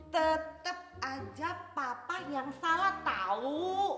tetep aja papa yang salah tahu